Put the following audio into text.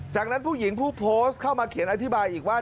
จากนั้นผู้หญิงผู้โพสต์เข้ามาเขียนอธิบายอีกว่า